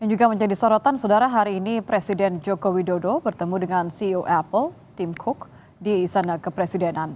yang juga menjadi sorotan saudara hari ini presiden joko widodo bertemu dengan ceo apple tim cook di istana kepresidenan